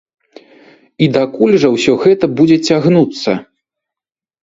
І дакуль жа ўсё гэта будзе цягнуцца?